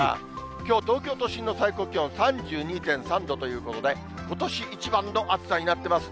きょう、東京都心の最高気温３２．３度ということで、ことし一番の暑さになってます。